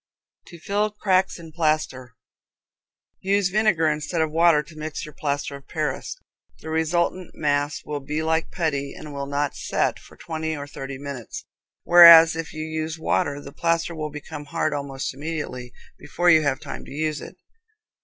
To Fill Cracks in Plaster. Use vinegar instead of water to mix your plaster of Paris. The resultant mass will be like putty, and will not "set" for twenty or thirty minutes, whereas if you use water the plaster will become hard almost immediately, before you have time to use it.